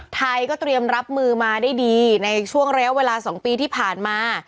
ไทยก็เตรียมรับมือมาได้ดีในช่วงระยะเวลา๒ปีที่ผ่านมา